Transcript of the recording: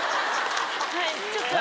はいちょっと。